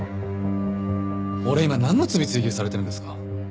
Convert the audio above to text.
俺今なんの罪追及されてるんですか？